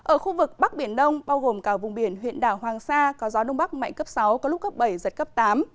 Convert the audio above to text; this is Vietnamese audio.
ở khu vực bắc biển đông bao gồm cả vùng biển huyện đảo hoàng sa có gió đông bắc mạnh cấp sáu có lúc cấp bảy giật cấp tám